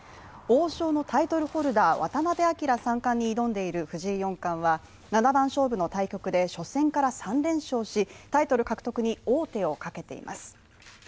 王将のタイトルホルダー、渡辺明３冠に挑んでいる藤井聡太四冠は七番勝負の対局で初戦から３連勝しタイトル獲得に王手をかけています。